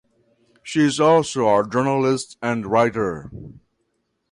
She is also a journalist and writer.